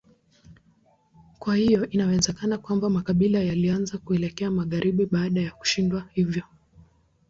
Kwa hiyo inawezekana kwamba makabila yalianza kuelekea magharibi baada ya kushindwa hivyo.